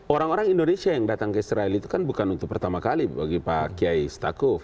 orang orang indonesia yang datang ke israel itu kan bukan untuk pertama kali bagi pak kiai setakuf